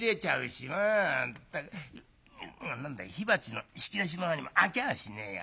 何だい火鉢の引き出しも何も開きゃあしねえや。